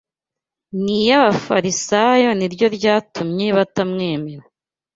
n’iy’Abafarisayo ni ryo ryatumye batamwemera.